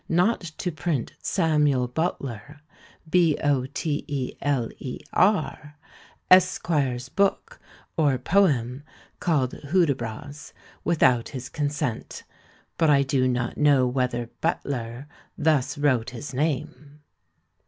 not to print Samuel Boteler esquire's book or poem called Hudibras, without his consent; but I do not know whether Butler thus wrote his name.